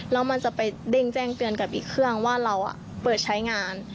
แล้วมันจะไปเด้งแจ้งเตือนกับอีกเครื่องว่าเราเปิดใช้งาน